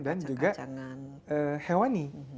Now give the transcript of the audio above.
dan juga hewani